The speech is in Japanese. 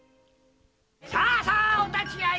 さあさあお立ち会い！